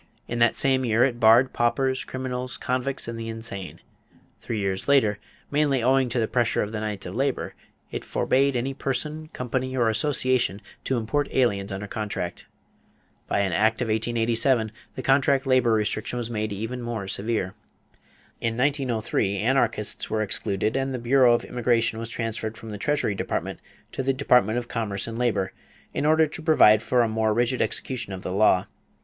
In that same year it barred paupers, criminals, convicts, and the insane. Three years later, mainly owing to the pressure of the Knights of Labor, it forbade any person, company, or association to import aliens under contract. By an act of 1887, the contract labor restriction was made even more severe. In 1903, anarchists were excluded and the bureau of immigration was transferred from the Treasury Department to the Department of Commerce and Labor, in order to provide for a more rigid execution of the law.